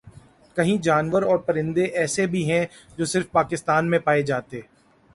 کہیں جانور اور پرندے ایسے بھی ہیں جو صرف پاکستان میں پائے جاتے